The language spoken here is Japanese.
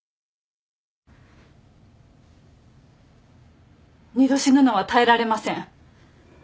二度死ぬのは耐えられません。